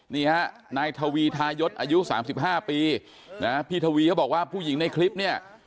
นี่ฮะนายทวีทายศอายุ๓๕ปีนะพี่ทวีเขาบอกว่าผู้หญิงในคลิปเนี่ย